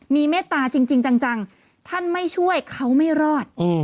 มีเมตตาจริงจังท่านไม่ช่วยเขาไม่รอด